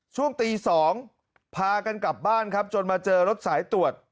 ช่วงตี๒พากันกลับบ้านครับจนมาเจอรถสายตรวจ